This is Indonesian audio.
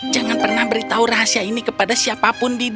jangan pernah beritahu rahasia ini kepada siapa